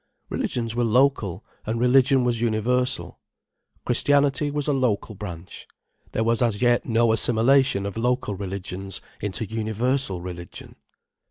Religions were local and religion was universal. Christianity was a local branch. There was as yet no assimilation of local religions into universal religion.